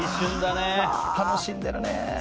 楽しんでるね。